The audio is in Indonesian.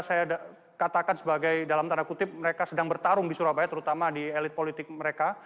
saya katakan sebagai dalam tanda kutip mereka sedang bertarung di surabaya terutama di elit politik mereka